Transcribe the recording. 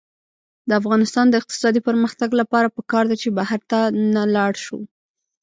د افغانستان د اقتصادي پرمختګ لپاره پکار ده چې بهر ته نلاړ شو.